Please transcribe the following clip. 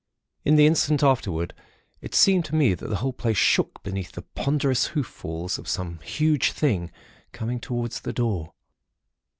In the instant afterwards, it seemed to me that the whole place shook beneath the ponderous hoof falls of some huge thing, coming towards the door.